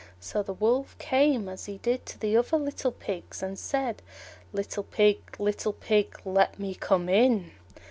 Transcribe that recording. So the Wolf came, as he did to the other little Pigs, and said, "Little Pig, little Pig, let me come in."